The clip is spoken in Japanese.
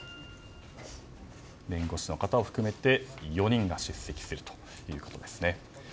弁護士の方を含めて４人が出席するということですね。